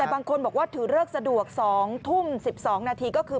แต่บางคนบอกว่าถือเลิกสะดวก๒ทุ่ม๑๒นาทีก็คือ